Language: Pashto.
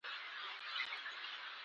انسان په کار نه کم اصل کېږي.